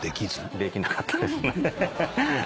できなかったです。